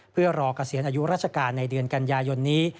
เพื่อรอเกษียณอายุราชการในเดือนกันยายนนี้